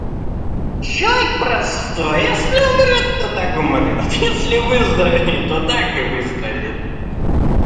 Человек простой: если умрёт, то так умрёт, если выздоровеет, то и так выздоровеет.